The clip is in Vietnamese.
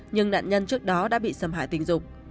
nhưng nạn nhân trước đó đã bị xâm hại tình dục